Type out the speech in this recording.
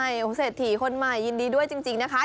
ใช่เศรษฐีคนใหม่ยินดีด้วยจริงนะคะ